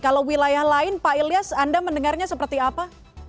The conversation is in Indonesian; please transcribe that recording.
kalau wilayah lain pak ilyas anda mendengarnya seperti apa